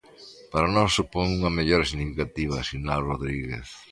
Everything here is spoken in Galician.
Para nós supón unha mellora significativa, sinala Rodríguez.